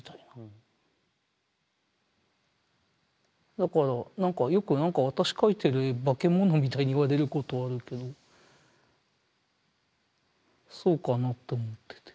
だからよく何か私描いてる絵化け物みたいに言われることあるけどそうかなって思ってて。